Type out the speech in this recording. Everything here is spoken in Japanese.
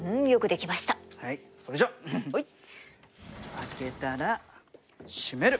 開けたら閉める。